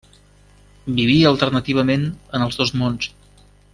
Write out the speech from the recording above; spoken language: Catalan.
Vivia alternativament en els dos mons.